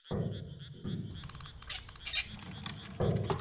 Alan, ওখানে দেখা করব তোমার সাথে।